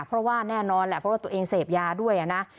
เพราะว่าแน่นอนแหละเพราะว่าตัวเองเสพยาด้วยนะ